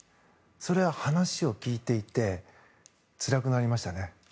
話を聞いていてつらくなりましたね。